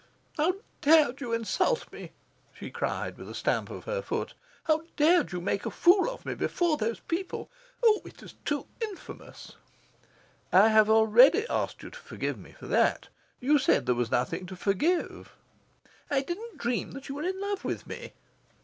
"How dared you insult me?" she cried, with a stamp of her foot. "How dared you make a fool of me before those people? Oh, it is too infamous!" "I have already asked you to forgive me for that. You said there was nothing to forgive." "I didn't dream that you were in love with me."